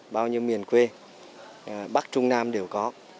bao nhiêu miền quê bắc trung nam đều có